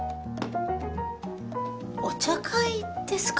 お茶会ですか？